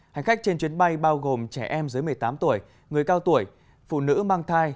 hành khách trên chuyến bay bao gồm trẻ em dưới một mươi tám tuổi người cao tuổi phụ nữ mang thai